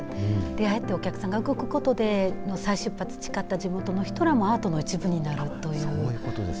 で、ああやってお客さんが動くことで、再出発誓った地元の人らもアートの一部になるという。